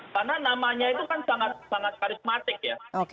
karena namanya itu kan sangat karismatik ya